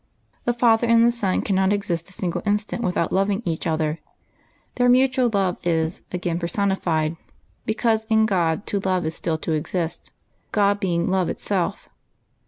The Father and the Son can not exist a single instant without loving each other; their mutual love is, again, personified, because in God to love is Btill to exist, God being love itself.